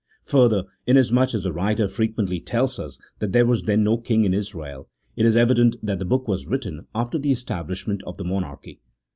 Further, inasmuch as the writer frequently tells us that there was then no king in Israel, it is evident that the book was written after the establishment of the monarchy.